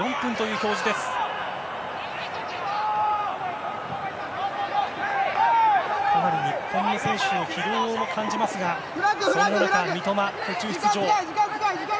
ここまで日本の選手の疲労も感じますがそんな中、三笘途中出場。